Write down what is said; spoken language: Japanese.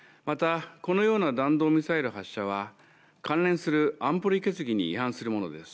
また、このような弾道ミサイル発射は、関連する安保理決議に違反するものです。